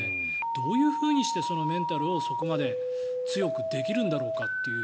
どういうふうにしてメンタルを強くできるんだろうという。